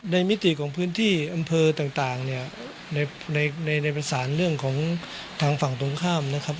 มิติของพื้นที่อำเภอต่างเนี่ยในประสานเรื่องของทางฝั่งตรงข้ามนะครับ